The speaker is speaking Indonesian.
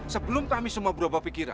sebelum kami semua berubah pikiran